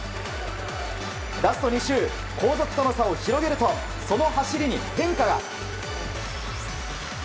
ラスト２周後続との差を広げるとその走りに変化が。